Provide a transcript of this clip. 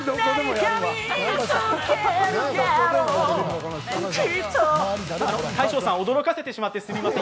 きっと大昇さん、驚かせてしまってすみません。